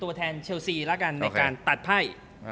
ตัวแทนเชลซีแล้วกันในการตัดไพ่